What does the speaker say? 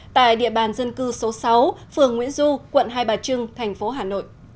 tại địa bàn dân cư số sáu phường nguyễn du quận hai bà trưng thành phố hà nội